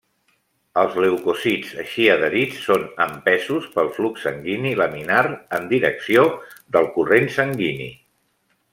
Els leucòcits així adherits, són empesos pel flux sanguini laminar en direcció del corrent sanguini.